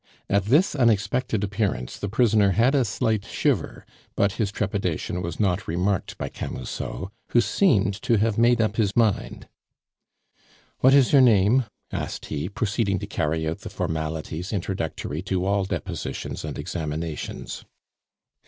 At this unexpected appearance the prisoner had a slight shiver, but his trepidation was not remarked by Camusot, who seemed to have made up his mind. "What is your name?" asked he, proceeding to carry out the formalities introductory to all depositions and examinations.